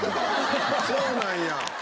そうなんや！